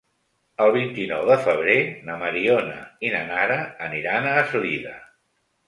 El vint-i-nou de febrer na Mariona i na Nara aniran a Eslida.